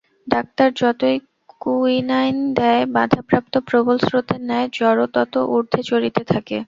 Doctor যতই quinine দেয়, বাধাপ্রাপ্ত প্রবল স্রোতের ন্যায় জ্বরও তত উর্ধ্বে চড়িতে থাকে।